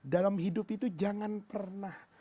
dalam hidup itu jangan pernah